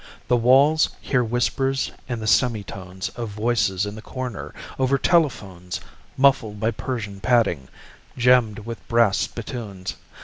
The walls hear whispers and the semi tones Of voices in the corner, over telephones Muffled by Persian padding, gemmed with brass spittoons.